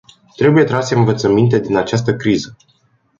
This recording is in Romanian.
Trebuie trase învățăminte din această criză.